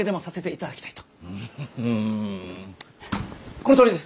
このとおりです！